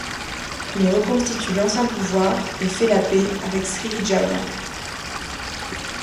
Il reconstitue l'ancien pouvoir et fait la paix avec Sriwijaya.